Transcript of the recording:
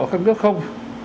các nước không